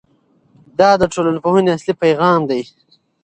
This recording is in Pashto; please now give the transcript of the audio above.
دا د ټولنپوهنې اصلي پیغام دی.